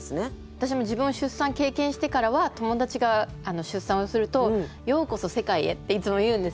私も自分が出産経験してからは友達が出産をすると「ようこそ世界へ」っていつも言うんですよね。